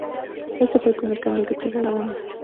Este fue el primer cambio que tuvo la banda.